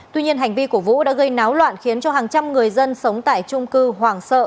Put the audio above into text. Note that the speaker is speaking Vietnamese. tuy nhiên hành vi của vũ đã gây náo loạn khiến cho hàng trăm người dân sống tại trung cư hoàng sợ